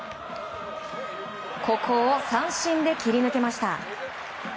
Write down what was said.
ここを三振で切り抜けました。